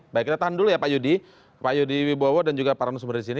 baik kita tahan dulu ya pak yudi pak yudi wibowo dan juga para nasumber di sini